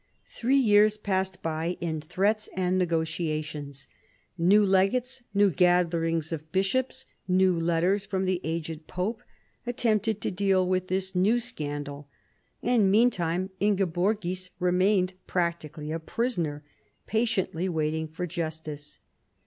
Three years passed by in threats and negotiations. New legates, new gatherings of bishops, new letters from the aged pope, attempted to deal with this new scandal. And meantime Ingeborgis remained practically a prisoner, patiently waiting for justice.